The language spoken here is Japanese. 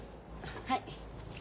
はい。